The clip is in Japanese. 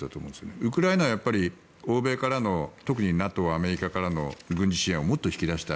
ウクライナはやっぱり欧米からの特にＮＡＴＯ、アメリカからの軍事支援をもっと引き出したい。